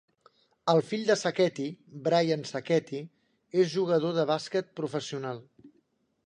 El fill de Saccheti, Brian Sacchetti, és jugador de bàsquet professional.